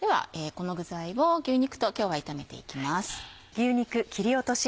この具材を牛肉と今日は炒めていきます。